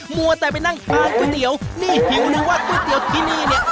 มัวแต่ไปนั่งทางก๋วยเตี๋ยวหิวจังว่าก๋วยเตี๋ยวที่นี่